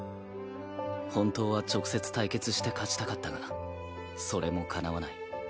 本当は直接対決して勝ちたかったがそれもかなわない。